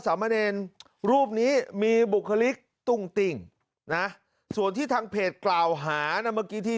สามเณรรูปนี้มีบุคลิกตุ้งติ้งนะส่วนที่ทางเพจกล่าวหานะเมื่อกี้ที่